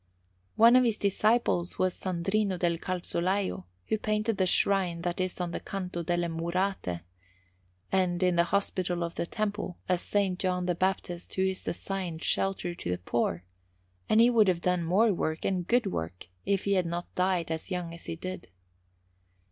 One of his disciples was Sandrino del Calzolaio, who painted the shrine that is on the Canto delle Murate, and, in the Hospital of the Temple, a S. John the Baptist who is assigning shelter to the poor; and he would have done more work, and good work, if he had not died as young as he did.